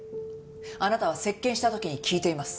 あなたは接見した時に聞いています。